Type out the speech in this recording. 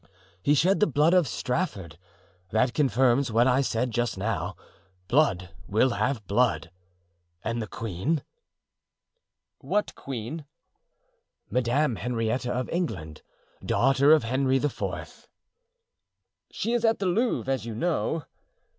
He shed the blood of Strafford; that confirms what I said just now—blood will have blood. And the queen?" "What queen?" "Madame Henrietta of England, daughter of Henry IV." "She is at the Louvre, as you know."